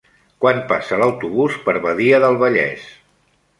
Quan passa l'autobús per Badia del Vallès?